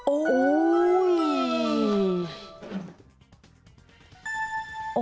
โอ้โห